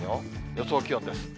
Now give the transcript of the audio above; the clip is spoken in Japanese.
予想気温です。